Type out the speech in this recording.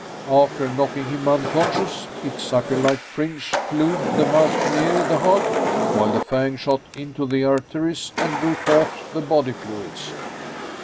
After knocking him unconscious, its sucker like fringe glued the mouth near the heart while the fang shot into the arteries and drew forth the body fluids.